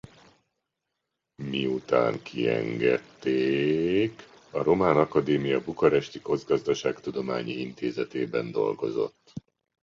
Miután kiengedték a Román Akadémia bukaresti közgazdaságtudományi intézetében dolgozott.